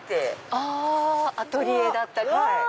あアトリエだったり。